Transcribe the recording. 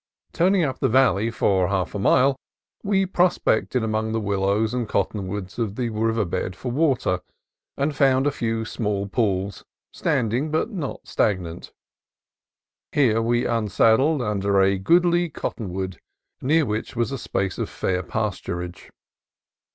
Turning up the valley for half a mile, we prospected among the willows and cotton woods of the river bed for water, and found a few small pools, standing but not stagnant. Here we unsaddled under a goodly cottonwood near which was a space of fair pasturage.